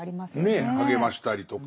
ねえ励ましたりとか。